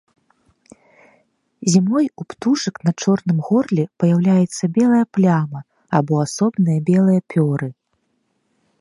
Зімой у птушак на чорным горле паяўляецца белая пляма або асобныя белыя пёры.